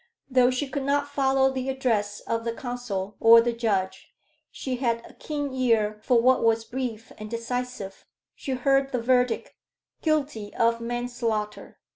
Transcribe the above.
Though she could not follow the address of the counsel or the judge, she had a keen ear for what was brief and decisive. She heard the verdict, "Guilty of manslaughter."